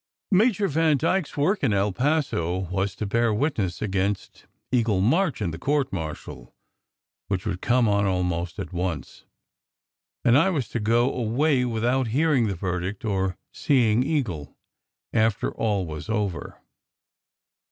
Major Vandyke s "work in El Paso" was to bear witness against Eagle March in the court martial which would come on almost at once. And I was to go away without hearing the verdict or seeing Eagle after all was over.